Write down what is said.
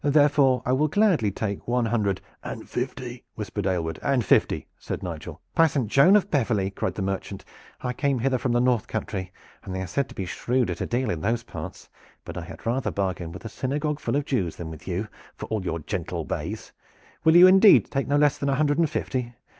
Therefore, I will gladly take one hundred " "And fifty," whispered Aylward. "And fifty," said Nigel. "By Saint John of Beverley!" cried the merchant. "I came hither from the North Country, and they are said to be shrewd at a deal in those parts; but I had rather bargain with a synagogue full of Jews than with you, for all your gentle ways. Will you indeed take no less than a hundred and fifty?